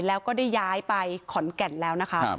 แล้วก็ได้ย้ายไปขอนแก่นแล้วนะคะ